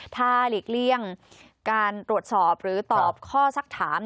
ถ้าหลีกเลี่ยงการตรวจสอบหรือตอบข้อสักถาม